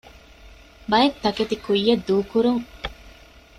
ބައެއް ތަކެތި ކުއްޔައްދޫކުރުން